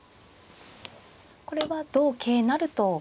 これは同桂成と。